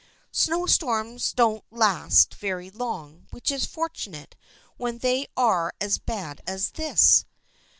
Snow storms don't last very long, which is fortunate when they are as bad as this.